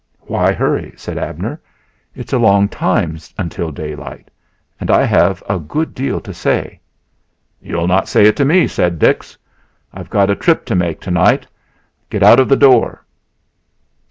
"Why hurry?" said Abner. "It's a long time until daylight, and I have a good deal to say." "You'll not say it to me," said Dix. "I've got a trip to make tonight; get out of the door."